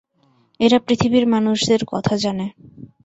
এরা পৃথিবীর মানুষদের কথা জানে।